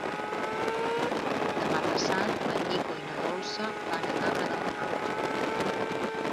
Demà passat en Nico i na Dolça van a Cabra del Camp.